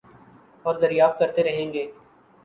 اوردریافت کرتے رہیں گے